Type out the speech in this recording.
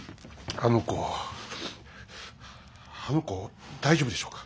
あの子大丈夫でしょうか。